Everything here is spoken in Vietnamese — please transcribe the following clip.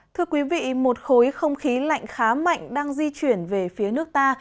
thưa quý vị một khối không khí lạnh khá mạnh đang di chuyển về phía nước ta